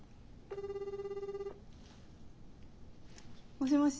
もしもし？